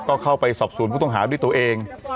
ก็เข้าไปสอบสวนผู้ต้องหาด้วยตัวเอง